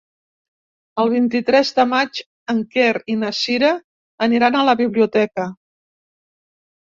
El vint-i-tres de maig en Quer i na Cira aniran a la biblioteca.